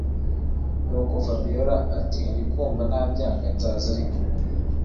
nuko fabiora ati”urikumva nabyanga nzaza ariko